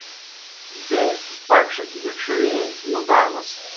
بیْہ پݜ بِڇھݨِی مُتانَس۔